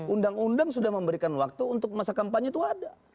undang undang sudah memberikan waktu untuk masa kampanye itu ada